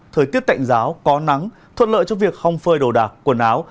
thời tiết tạnh giáo có nắng thuận lợi cho việc không phơi đồ đạc quần áo